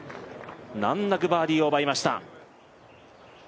難なくバーディーを奪いました。